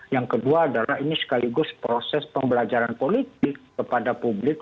yang kedua adalah ini sekaligus proses pembelajaran politik kepada publik